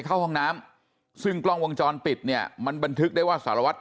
เข้าห้องน้ำซึ่งกล้องวงจรปิดเนี่ยมันบันทึกได้ว่าสารวัตร